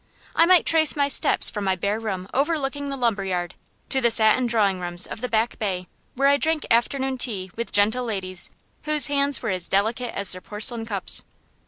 I might trace my steps from my bare room overlooking the lumber yard to the satin drawing rooms of the Back Bay, where I drank afternoon tea with gentle ladies whose hands were as delicate as their porcelain cups.